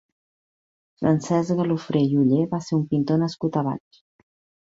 Francesc Galofré i Oller va ser un pintor nascut a Valls.